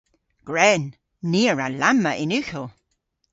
Gwren! Ni a wra lamma yn ughel!